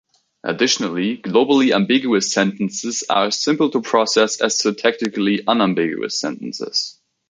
Additionally, globally ambiguous sentences are as simple to process as syntactically unambiguous sentences.